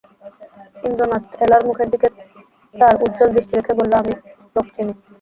ইন্দ্রনাথ এলার মুখের দিকে তাঁর উজ্জ্বল দৃষ্টি রেখে বললেন, আমি লোক চিনি।